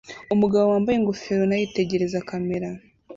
Umugabo wambaye ingofero na yitegereza kamera